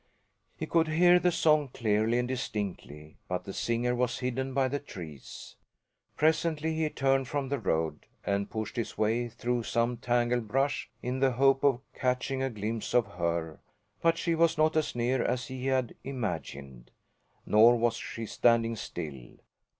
He could hear the song clearly and distinctly, but the singer was hidden by the trees. Presently he turned from the road and pushed his way through some tangle brush in the hope of catching a glimpse of her; but she was not as near as he had imagined. Nor was she standing still.